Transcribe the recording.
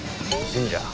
神社？